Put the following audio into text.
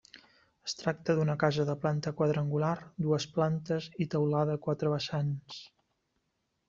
Es tracta d’una casa de planta quadrangular, dues plantes i teulada a quatre vessants.